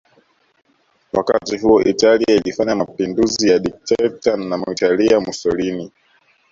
Wakati huo Italia ilifanya mapinduzi ya dikteta na Mwitalia Mussolini